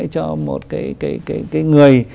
cho một cái người